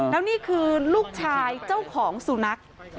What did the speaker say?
แล้วนี่คือลูกชายเจ้าของสุนัข